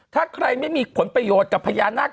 ถ้าใครไม่มีผลประโยชน์สักเกือบกับพยานัก